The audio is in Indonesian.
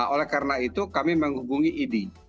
oleh karena itu kami menghubungi idi